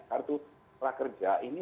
kartu prakerja ini